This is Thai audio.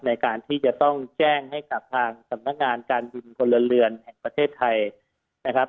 ในการที่จะต้องแจ้งให้กับทางสำนักงานการบินพลเรือนแห่งประเทศไทยนะครับ